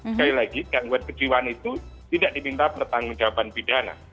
sekali lagi gangguan kejiwaan itu tidak diminta pertanggungjawaban pidana